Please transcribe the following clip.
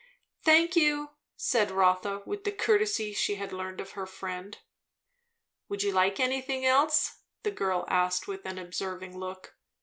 "Thank you," said Rotha, with the courtesy she had learned of her friend. "Would you like anything else?" the girl asked with an observing look.